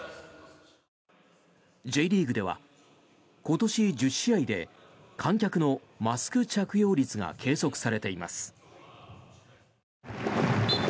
Ｊリーグでは今年１０試合で観客のマスク着用率が計測されています。